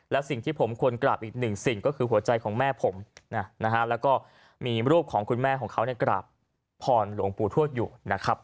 และสิ่งที่ผมควรกราบอีกหนึ่งสิ่งก็คือหัวใจของแม่ผมนะฮะแล้วก็มีรูปของคุณแม่ของเขากราบพรหลวงปู่ทวดอยู่นะครับ